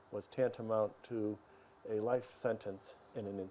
bisa anda memberitahu saya lebih spesifik